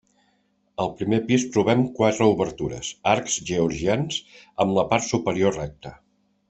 Al primer pis trobem quatre obertures, arcs georgians amb la part superior recte.